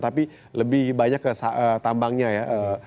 tapi lebih banyak ke tambangnya ya